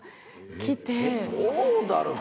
どうだろう？